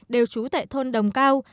đều trú tại thôn đồng cao